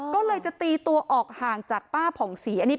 ก็เลยจะตีตัวออกห่างจากป้าผ่องศรีอันนี้